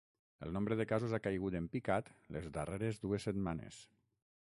El nombre de casos ha caigut en picat les darreres dues setmanes.